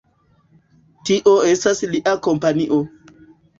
Tio estas lia kompanio.